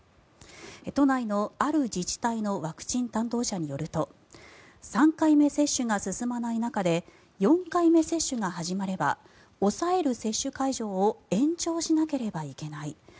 都内の、ある自治体のワクチン担当者によると３回目接種が進まない中で４回目接種が始まれば押さえる接種会場を延長しなければいけない。